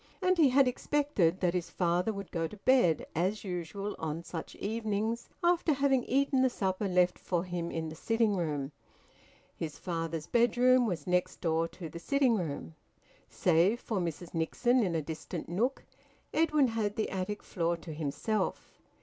And he had expected that his father would go to bed, as usual on such evenings, after having eaten the supper left for him in the sitting room. His father's bedroom was next door to the sitting room. Save for Mrs Nixon in a distant nook, Edwin had the attic floor to himself.